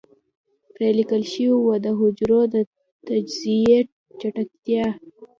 پرې ليکل شوي وو د حجرو د تجزيې چټکتيا.